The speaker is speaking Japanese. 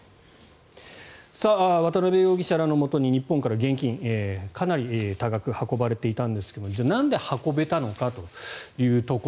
渡邉容疑者らのもとに日本から現金、かなり多額運ばれていたんですがじゃあ、なんで運べたのかというところ。